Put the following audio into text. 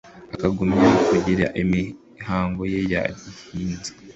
akagumya kugira imihango ye ya gihinza